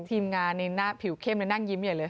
ทีมงานในหน้าผิวเข้มนั่งยิ้มอย่างนั้นเลย